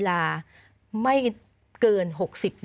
มันไม่เกิดประโยชน์กับผู้ใดเลย